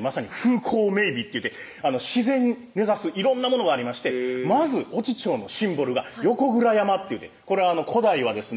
まさに風光明美っていうて自然に根ざす色んなものがありましてまず越知町のシンボルが横倉山っていうてこれは古代はですね